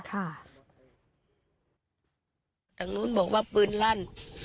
ทางนู้นบอกว่าปืนลั่น